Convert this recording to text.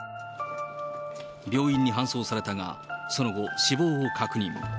病院に搬送されたが、その後、死亡を確認。